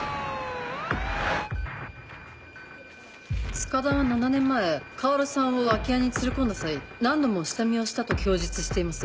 塚田は７年前薫さんを空き家に連れ込んだ際何度も下見をしたと供述しています。